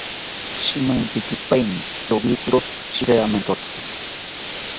Shimaempikipaeni rowitziro shiriamentotzi